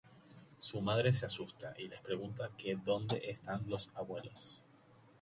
Su madre se asusta y les pregunta que dónde están los abuelos.